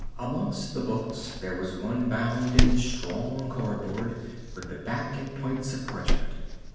Amongst the books there was one bound in strong cardboard with the back and points of parchment.